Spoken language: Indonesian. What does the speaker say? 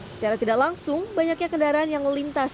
secara tidak langsung banyaknya kendaraan yang melintas